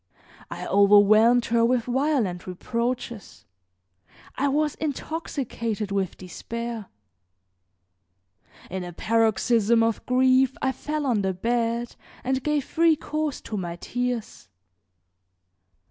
I overwhelmed her with violent reproaches; I was intoxicated with despair. In a paroxysm of grief I fell on the bed and gave free course to my tears.